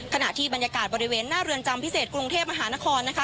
ขณะที่บรรยากาศบริเวณหน้าเรือนจำพิเศษกรุงเทพมหานครนะคะ